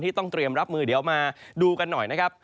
ต้องเตรียมรับมือเดี๋ยวมาดูกันหน่อยนะครับ